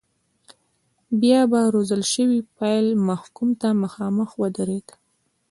بیا به روزل شوی پیل محکوم ته مخامخ ودرېد.